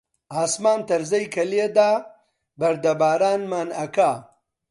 ئاسمان تەرزەی کە لێدا، بەردەبارانمان ئەکا